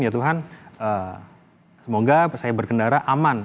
ya tuhan semoga saya berkendara aman